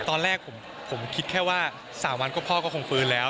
ตอนแรกผมคิดแค่ว่า๓วันก็พ่อก็คงฟื้นแล้ว